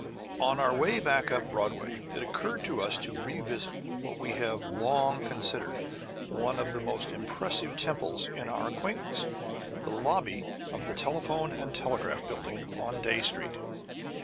On our way back up Broadway it occurred to us to revisit what we have long considered one of the most impressive temples in our acquaintance, the lobby of the Telephone and Telegraph Building, on Dey Street.